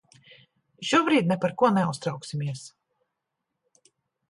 Šobrīd ne par ko neuztrauksimies.